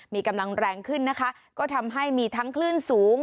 มีกำลังแรงขึ้นนะคะก็ทำให้มีทั้งคลื่นสูง